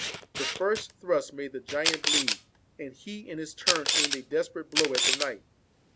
The first thrust made the giant bleed, and he, in his turn, aimed a desperate blow at the knight.